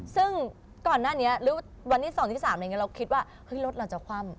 ซึ่งก่อนหน้านี้หรือวันที่๒๓เราคิดว่ารถเราจะคว่ำ